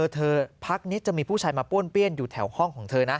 พักนี้จะมีผู้ชายมาป้วนเปี้ยนอยู่แถวห้องของเธอนะ